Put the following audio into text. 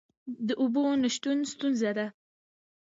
د اوبو نشتون ستونزه ده؟